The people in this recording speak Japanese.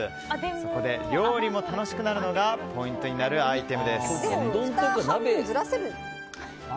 そこで、料理も楽しくなるのがポイントになるアイテムです。